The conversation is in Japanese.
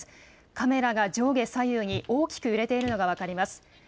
カメラが上下左右に大きく揺れているのが分かります。